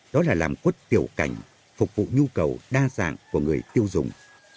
đó là làm quất tiểu cành phục vụ nhu cầu đa dạng của người tiêu dùng